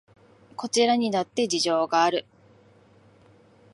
こちらにだって事情がある